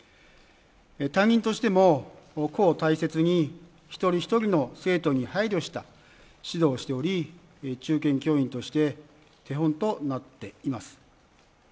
担任としても、個を大切に、一人一人の生徒に配慮した指導をしており、中堅教員として、手本となっています。